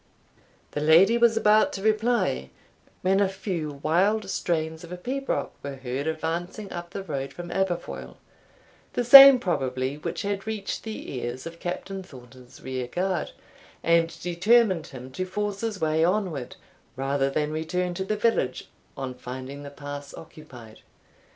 The lady was about to reply, when a few wild strains of a pibroch were heard advancing up the road from Aberfoil, the same probably which had reached the ears of Captain Thornton's rear guard, and determined him to force his way onward rather than return to the village, on finding the pass occupied.